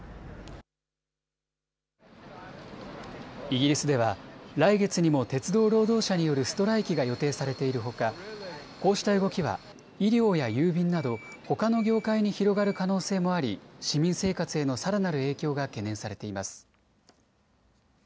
イギリスでは来月にも鉄道労働者によるストライキが予定されているほか、こうした動きは医療や郵便などほかの業界に広がる可能性もあり市民生活へのさらなる影響が懸念されています。